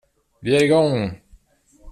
Vi är igång!